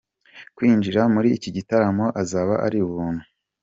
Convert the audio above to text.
Kwinjira muri iki gitaramo azaba ari ubuntu.